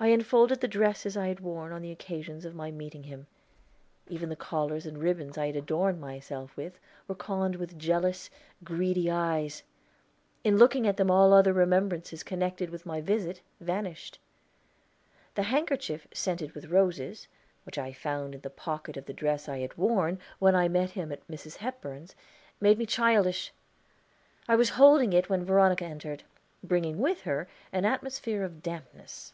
I unfolded the dresses I had worn on the occasions of my meeting him; even the collars and ribbons I had adorned myself with were conned with jealous, greedy eyes; in looking at them all other remembrances connected with my visit vanished. The handkerchief scented with violets, which I found in the pocket of the dress I had worn when I met him at Mrs. Hepburn's, made me childish. I was holding it when Veronica entered, bringing with her an atmosphere of dampness.